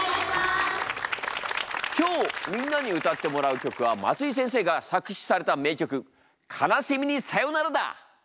今日みんなに歌ってもらう曲は松井先生が作詞された名曲「悲しみにさよなら」だ。